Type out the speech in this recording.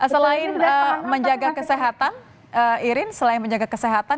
selain menjaga kesehatan irin selain menjaga kesehatan